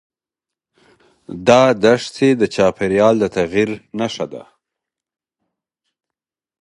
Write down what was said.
دا دښتې د چاپېریال د تغیر نښه ده.